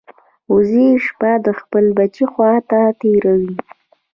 وزې شپه د خپل بچي خوا ته تېروي